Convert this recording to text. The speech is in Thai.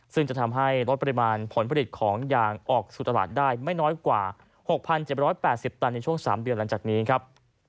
ซึ่งจะทำให้ลดปริมาณผลผลิตของยางออกสู่ตลาดได้ไม่น้อยกว่า๖๗๘๐ตันในช่วง๓เดือนหลังจากนี้ครับ